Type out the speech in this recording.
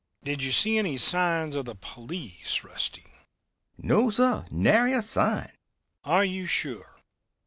"Did you see any signs of the police, Rusty?" "No, sir. Nary a sign." "Are you sure?"